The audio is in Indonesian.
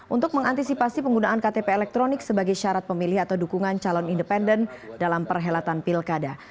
untuk mengantisipasi penggunaan ktp elektronik sebagai syarat pemilih atau dukungan calon independen dalam perhelatan pilkada